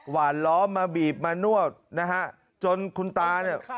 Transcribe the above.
หวานล้อมมาบีบมานวดนะฮะจนคุณตาเนี่ย